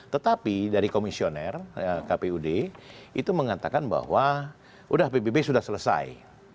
tetapi dari komisioner kpud itu mengatakan bahwa sudah pbb sudah selesai